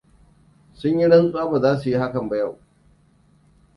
Sun yi rantsuwa ba za su yi hakan ba yau.